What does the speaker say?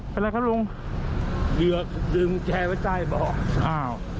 เป็นไรครับลุงเดี๋ยวลืมแก้ไว้ใต้เบาะอ้าว